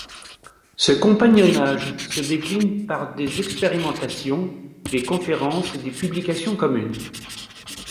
Ce compagnonnage se décline par des expérimentations, des conférences et des publications communes.